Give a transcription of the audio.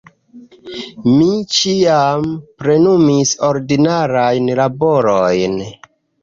Mi ĉiam plenumis ordinarajn laborojn.